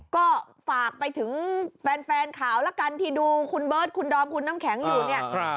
ก็ฝากไปถึงแฟนข่าวแล้วกันที่ดูคุณเบิร์ตคุณดอมคุณน้ำแข็งอยู่เนี่ย